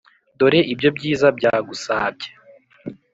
ndore ibyo byiza byagusabye »